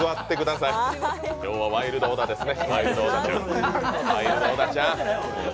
今日はワイルド小田ですね。